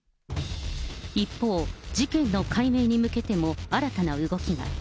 一方、事件の解明に向けても新たな動きが。